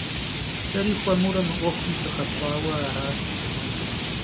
Сэри хуэмурэ мы Ӏуэхум сыхэпщӀауэ аращ.